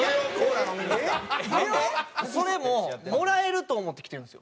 それももらえると思って来てるんですよ。